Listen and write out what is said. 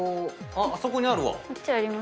あっあそこにあるわ。